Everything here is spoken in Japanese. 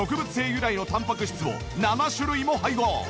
由来のタンパク質を７種類も配合！